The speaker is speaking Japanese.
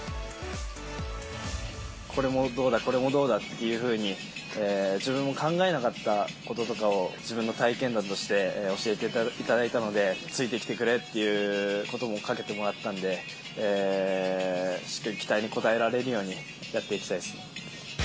これもどうだ、これもどうだっていうふうに、自分も考えなかったこととかを自分の体験談として教えて頂いたので、ついてきてくれっていうことばもかけてもらったんで、しっかり期待に応えられるように、やっていきたいです。